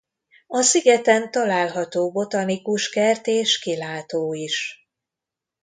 A szigeten található botanikus kert és kilátó is.